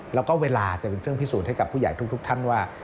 แล้วก็เวลาจะเป็นเครื่องพิสูจน์ให้กับผู้ใหญ่ทุกท่านว่า